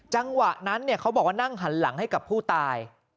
จังหวะนั้นเขาบอกว่านั่งหันหลังให้กับผู้ตาย